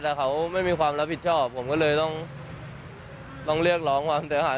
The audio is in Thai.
แต่เขาไม่มีความรับผิดชอบผมก็เลยต้องเรียกร้องความเสียหาย